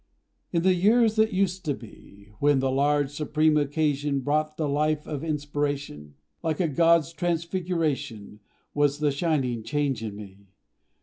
In the years that used to be, When the large, supreme occasion Brought the life of inspiration, Like a god's transfiguration Was the shining change in me.